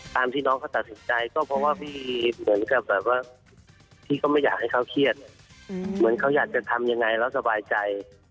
ที่น้องเขาตัดสินใจก็เพราะว่าพี่เหมือนกับแบบว่าพี่ก็ไม่อยากให้เขาเครียดเหมือนเขาอยากจะทำยังไงแล้วสบายใจ